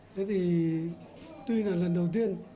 thế thì tuy là lần đầu tiên